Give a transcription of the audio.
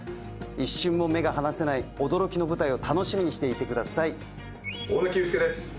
一瞬も目が離せない驚きの舞台を楽しみにしていてください大貫勇輔です